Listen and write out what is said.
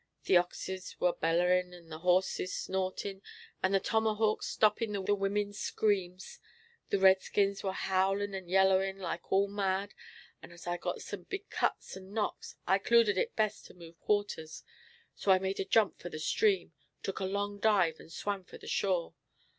"The oxes war bellerin', the horses snortin', and the tomahawks stoppin' the women's screams; the redskins war howlin' and yellin' like all mad, and as I had got some big cuts and knocks, I 'cluded it best to move quarters. So I made a jump for the stream, took a long dive, and swam for the shore.